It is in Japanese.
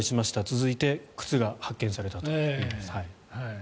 続いて靴が発見されたということです。